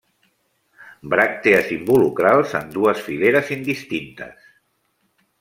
Bràctees involucrals en dues fileres indistintes.